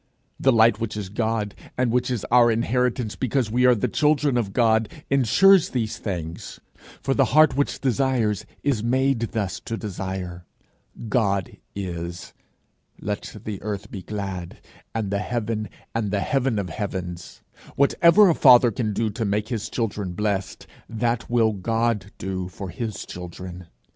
The light which is God, and which is our inheritance because we are the children of God, insures these things. For the heart which desires is made thus to desire. God is; let the earth be glad, and the heaven, and the heaven of heavens! Whatever a father can do to make his children blessed, that will God do for his children.